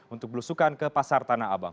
untuk belusukan ke pasar tanah abang